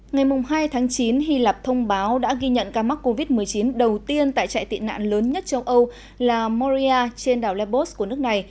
ngày hai tháng chín hy lạp thông báo đã ghi nhận ca mắc covid một mươi chín đầu tiên tại trại tị nạn lớn nhất châu âu là moria trên đảo labos của nước này